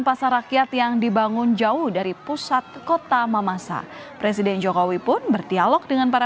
pasar rakyat yang dibangun jauh dari pusat kota mamasa presiden jokowi pun berdialog dengan para